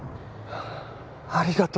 ありがと